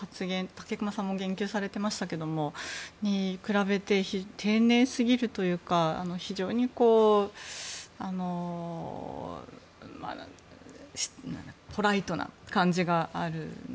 武隈さんも言及されてましたがそれに比べて丁寧すぎるというか非常にポライトな感じがある。